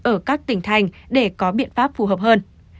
ở các tỉnh thành để có biện pháp phù hợp hơn